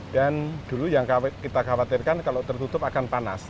dan dulu yang kita khawatirkan kalau tertutup akan panas